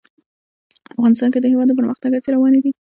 افغانستان کې د هوا د پرمختګ هڅې روانې دي.